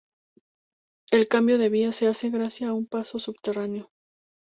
El cambio de vías se hace gracias a un paso subterráneo.